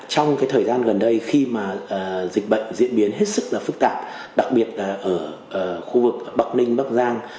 trong thời gian gần đây khi mà dịch bệnh diễn biến hết sức là phức tạp đặc biệt là ở khu vực bắc ninh bắc giang